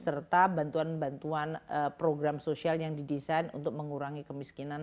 serta bantuan bantuan program sosial yang didesain untuk mengurangi kemiskinan